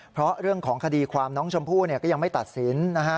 เพราะเรื่องของคดีความน้องชมพู่ก็ยังไม่ตัดสินนะฮะ